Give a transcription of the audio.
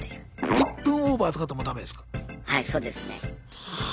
はいそうですね。はあ！